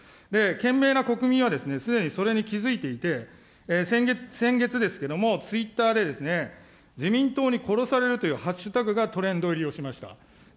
賢明な国民は、すでに、それに気付いていて、先月ですけども、ツイッターでですね、自民党に殺されるというハッシュタグがトレンド入りをしました。